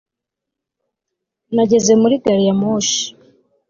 nageze muri gari ya moshi